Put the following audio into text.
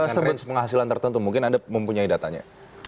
dengan penghasilan tertentu mungkin anda mempunyai datanya